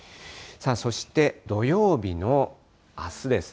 そして土曜日の、あすです。